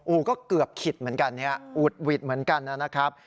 โอ้โหก็เกือบคิดเหมือนกันเนี่ยอุดหวิดเหมือนกันนะครับ